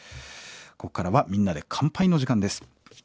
ここからは「みんなで乾杯」の時間です。